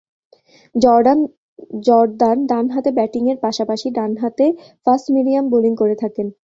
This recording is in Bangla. জর্দান ডানহাতে ব্যাটিংয়ের পাশাপাশি ডানহাতে ফাস্ট-মিডিয়াম বোলিং করে থাকেন।